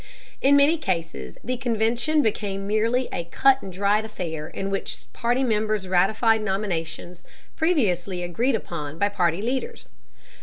In many cases the convention became merely a cut and dried affair in which party members ratified nominations previously agreed upon by party leaders.